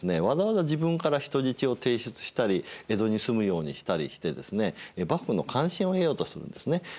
わざわざ自分から人質を提出したり江戸に住むようにしたりしてですね幕府の歓心を得ようとするんですね。